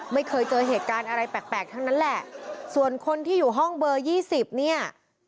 ไม่เคยเจอเหตุการณ์อะไรแปลกแปลกทั้งนั้นแหละส่วนคนที่อยู่ห้องเบอร์ยี่สิบเนี่ย